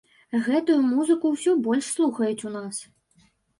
Гэтую музыку ўсё больш слухаюць у нас.